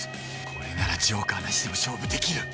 これならジョーカーなしでも勝負できる